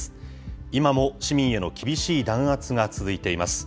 今も市民への厳しい弾圧が続いています。